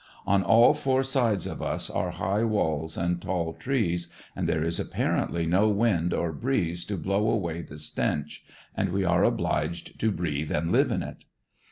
On all four sides of us are high walls and tall trees, and there is apparently no wind or breeze to blow away the stench, and we are obliged to breathe and live in it.